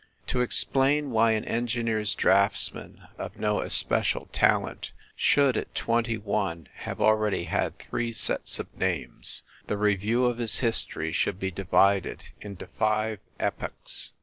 To explain why an engineer s draftsman of no especial talent should, at twenty one, have already had three sets of names, the review of his history should be divided into five epochs.